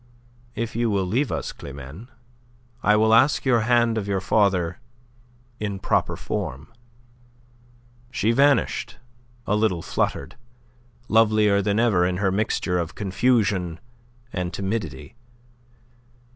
"If you will leave us, Climene, I will ask your hand of your father in proper form." She vanished, a little fluttered, lovelier than ever in her mixture of confusion and timidity.